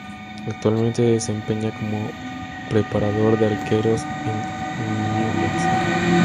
Actualmente se desempeña como preparador de arqueros en Ñublense.